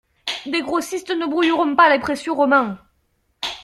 Des grossistes ne brouilleront pas les précieux romans.